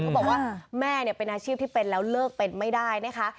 บอกว่าแม่เป็นอาชีพที่เป็นแล้วเลิกเป็นไม่ได้นะคะ